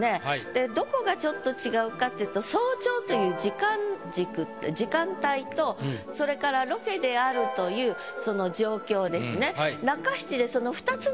でどこがちょっと違うかっていうと「早朝」という時間軸時間帯とそれからロケであるというその状況ですね。